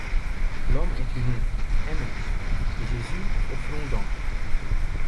L’homme est une ombre, et meurt. — Et Jésus au front d’ange